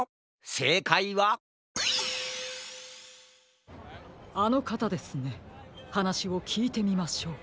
せいかいはあのかたですねはなしをきいてみましょう。